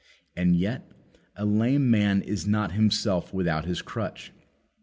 And yet a lame man is not himself without his crutch.